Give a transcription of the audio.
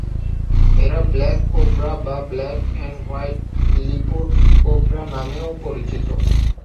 এরা black cobra বা black and white lipped cobra নামেও পরিচিত।